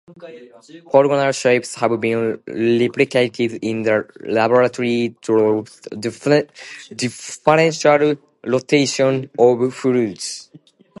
Polygonal shapes have been replicated in the laboratory through differential rotation of fluids.